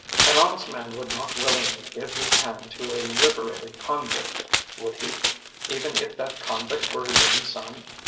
“An honest man would not willingly give his hand to a liberated convict, would he, even if that convict were his own son?